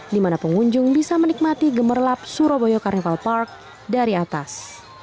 di mana pengunjung bisa menikmati gemerlap surabaya carnival park dari atas